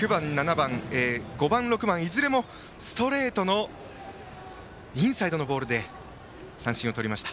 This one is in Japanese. ５番、６番いずれもストレートのインサイドのボールで三振をとりました。